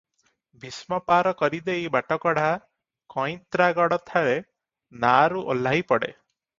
ଭୀଷ୍ମ ପାର କରି ଦେଇ ବାଟକଢ଼ା କଇଁତ୍ରାଗଡଠାରେ ନାଆରୁ ଓହ୍ଲାଇ ପଡ଼େ ।